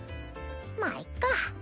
まぁいっか